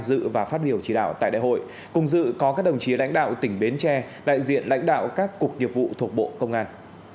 dự và phát biểu chỉ đạo tại đại hội cùng dự có các đồng chí lãnh đạo tỉnh bến tre đại diện lãnh đạo các cục nghiệp vụ thuộc bộ công an